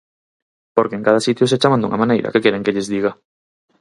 Porque en cada sitio se chaman dunha maneira, ¿que queren que lles diga?